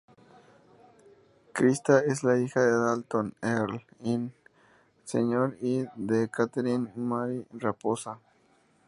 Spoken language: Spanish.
Krista es la hija de Dalton Earl Allen Sr. y de Katherine Mary Raposa.